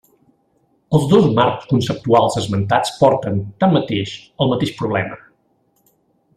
Els dos marcs conceptuals esmentats porten, tanmateix, al mateix problema.